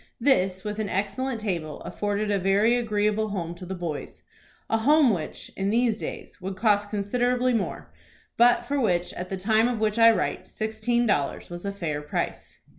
This, with an excellent table, afforded a very agreeable home to the boys, a home which, in these days, would cost considerably more, but for which, at the time of which I write, sixteen dollars was a fair price.